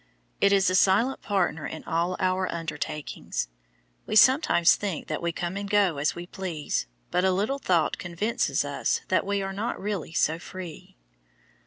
It is a silent partner in all our undertakings. We sometimes think that we come and go as we please, but a little thought convinces us that we are not really so free.